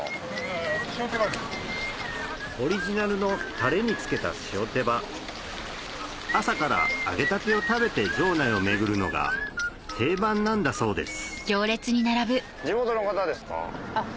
オリジナルのタレにつけた塩手羽朝から揚げたてを食べて場内を巡るのが定番なんだそうです